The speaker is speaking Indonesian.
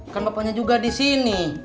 kan bapaknya juga di sini